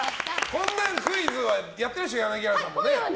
こんなクイズはやってるでしょ、柳原さんは。